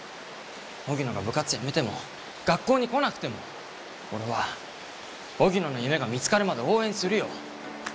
荻野が部活やめても学校に来なくても俺は荻野の夢が見つかるまで応援するよ。